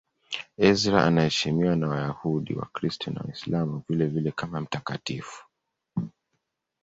Ezra anaheshimiwa na Wayahudi, Wakristo na Waislamu vilevile kama mtakatifu.